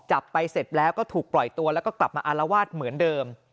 จับไปเสร็จแล้วก็ถูกปล่อยตัวแล้วก็กลับมาอารวาสเหมือนเดิม